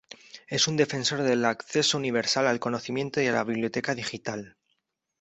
Es un defensor del acceso universal al conocimiento y a la biblioteca digital.